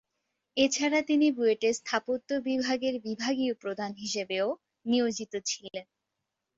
এছাড়া তিনি বুয়েটের স্থাপত্য বিভাগের বিভাগীয় প্রধান হিসেবেও নিয়োজিত ছিলেন।